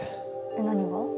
えっ何が？